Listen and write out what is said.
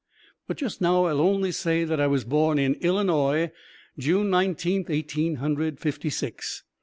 But just now I 'll only say that I was born in Illinois, June Nineteenth, Eighteen Hundred Fifty six.